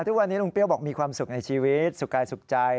ทุกวันนี้ลุงเปรี้ยวบอกมีความสุขในชีวิตสุขกายสุขใจ